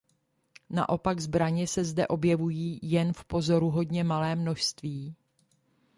Naopak zbraně se zde objevují jen v pozoruhodně malém množství.